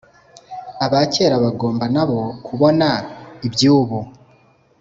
aba kera bagomba nabo kubona iby’ubu.